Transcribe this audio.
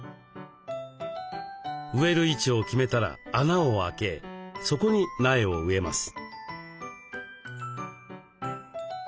植える位置を決めたら穴を開けそこに苗を植えます。